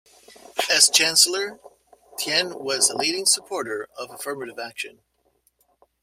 As chancellor, Tien was a leading supporter of affirmative action.